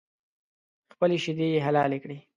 خپلې شیدې یې حلالې کړې